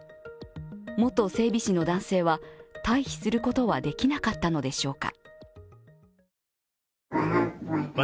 元整備士の男性は退避することはできなかったのでしょうか？